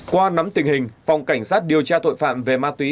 qua nắm tình hình phòng cảnh sát điều tra tội phạm về ma túy